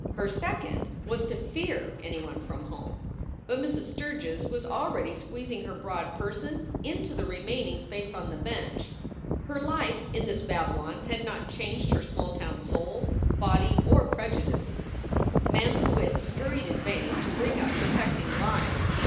Her second was to fear anyone from home. But Mrs. Sturgs was already squeezing her broad person into the remaining space on the bench. Her life in this Babylon had not changed her small town soul, body, or prejudices. Mem s wits scurried in vain to bring up protecting lies.